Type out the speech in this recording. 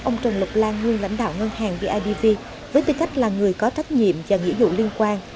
ông trần lục lan nguyên lãnh đạo ngân hàng bidv với tư cách là người có trách nhiệm và nghĩa vụ liên quan